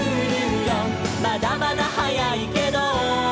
「まだまだ早いけど」